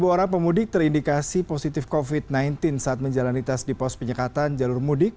dua orang pemudik terindikasi positif covid sembilan belas saat menjalani tes di pos penyekatan jalur mudik